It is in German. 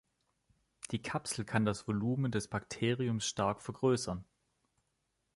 Die Kapsel kann das Volumen des Bakteriums stark vergrößern.